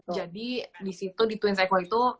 jadi di situ di twin seiko itu